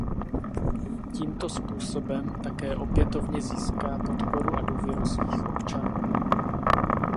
Tímto způsobem také opětovně získá podporu a důvěru svých občanů.